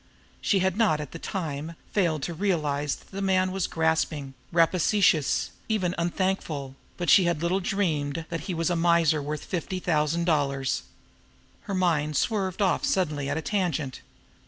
She had not, at the time, failed to realize that the man was grasping, rapacious, even unthankful, but she had little dreamed that he was a miser worth fifty thousand dollars! Her mind swerved off suddenly at a tangent.